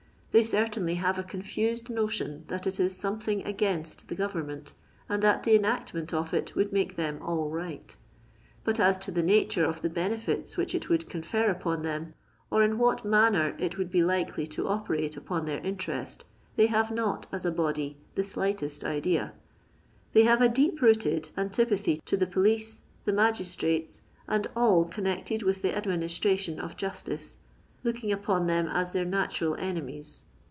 They certainly have a confused notion that it is some thing against the €K>vemment, and that the enactment of it would make them all zi|ht ; but as to the nature of the benefits which it would confer upon them, or in what manner it would be likely to operate upon their interest, they have not, as a body, the slightest idea. They have a deep rooted antipathy to the police, the maffis trates, and all connected with the adnunistration of jastice, looking upon them as their natural enemies.